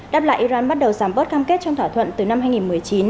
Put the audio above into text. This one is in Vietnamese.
đáp lại iran bắt đầu giảm bớt cam kết trong thỏa thuận từ năm hai nghìn một mươi chín